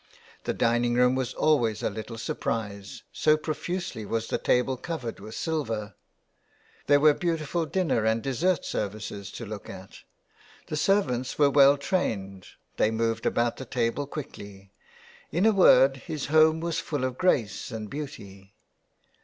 The dining room was always a little surprise, so profusely was the table covered with silver. There were beautiful dinner and dessert services to look at ; the servants were well trained, they moved about the table quickly — in a word his home was full of grace and beauty.